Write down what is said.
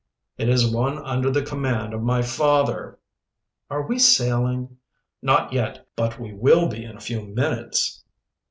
"It is one under the command of my father." "Are we sailing?" "Not yet, but we will be in a few minutes."